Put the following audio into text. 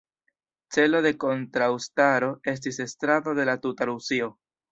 Celo de kontraŭstaro estis estrado de la tuta Rusio.